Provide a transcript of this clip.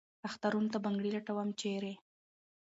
اخترونو ته بنګړي لټوم ، چېرې ؟